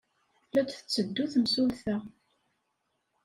La d-tetteddu temsulta.